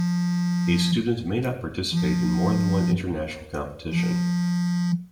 A student may not participate in more than one international competition.